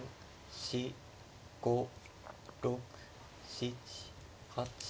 ３４５６７８。